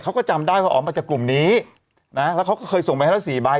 เขาก็จำได้ว่าออกมาจากกลุ่มนี้นะแล้วเขาก็เคยส่งไปให้ละสี่ใบ